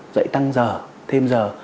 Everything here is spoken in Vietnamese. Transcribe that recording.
dạy tăng giờ thêm giờ